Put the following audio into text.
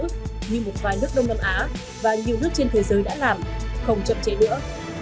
như một vài nước đông nam á và nhiều nước trên thế giới đã làm không chậm chế nữa